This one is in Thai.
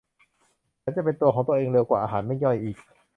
ฉันจะเป็นตัวของตัวเองเร็วกว่า อาหารไม่ย่อยอีก